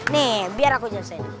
nih biar aku jelasin